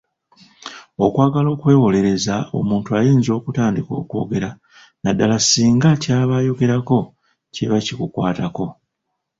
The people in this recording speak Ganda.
Okwagala okwewolereza omuntu ayinza okutandika okwogera naddala singa ky’aba ayogerako kiba kikukwatako.